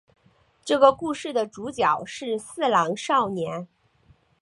这个故事的主角是四郎少年。